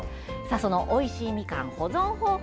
そのおいしいみかん、保存方法